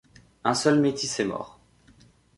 Un seul métis est mort.